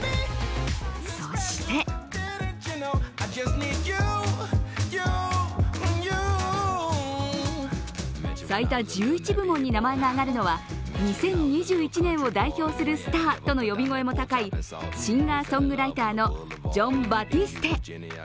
そして、最多１１部門に名前が挙がるのは、２０２１年を代表するスターとの呼び声も高いシンガーソングライターのジョン・バティステ。